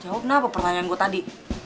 jawab napa pertanyaan gua tadi